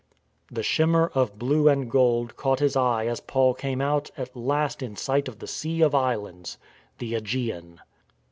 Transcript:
"* The shimmer of blue and gold caught his eye as Paul came out at last in sight of the Sea of Islands, — the ^gean.